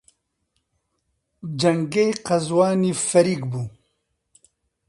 جەنگەی قەزوانی فەریک بوو.